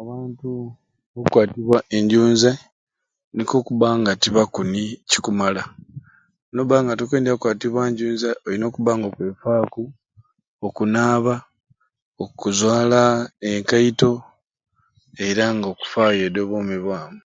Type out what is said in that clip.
Abantu okwatibwa enjunzai nikwo okubba nga tibakuni kikumala, nobanga tokwendya kukwatibwa njunzai olina okubba nga okwefaaku, okunaba, okuzwala enkaito era nga okufayo edi obwomi bwamu.